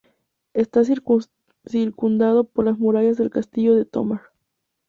Está circundado por las murallas del castillo de Tomar.